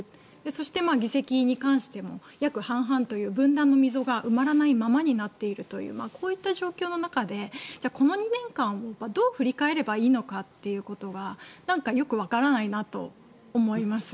そして議席に関しても約半々という、分断の溝が埋まらないままになっているというこういった状況の中でこの２年間をどう振り返ればいいのかっていうことはなんかよくわからないなと思います。